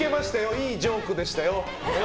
いいジョークでしたよ。